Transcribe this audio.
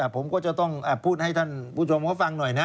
ผมก็จะต้องพูดให้ท่านผู้ชมเขาฟังหน่อยนะ